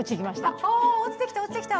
あっあ落ちてきた落ちてきた。